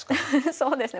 そうですね